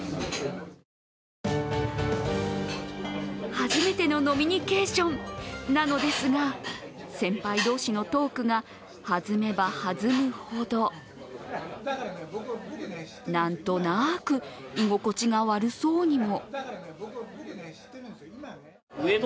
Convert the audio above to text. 初めての飲みニケーションなのですが、先輩同士のトークが弾めば弾むほどなんとなく居心地が悪そうにも。